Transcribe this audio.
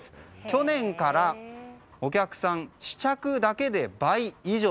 去年からお客さん試着だけで倍以上。